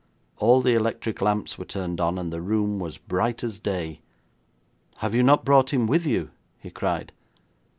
All the electric lamps were turned on, and the room was bright as day. 'Have you not brought him with you?' he cried.